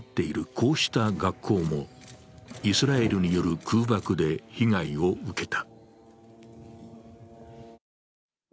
こうした学校も、イスラエルによる空爆で被害を受けた。